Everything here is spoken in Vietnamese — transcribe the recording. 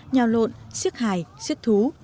nhào lộn siếc hài siếc thú